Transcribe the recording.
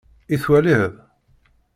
I twaliḍ?